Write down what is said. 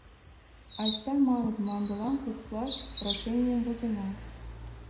Айста, маныт, мландылан куклаш прошенийым возена.